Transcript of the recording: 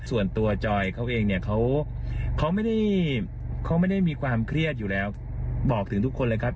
ส่วนตัวจอยเขาเองเนี่ยเขาไม่ได้เขาไม่ได้มีความเครียดอยู่แล้วบอกถึงทุกคนเลยครับ